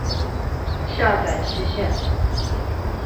下载期限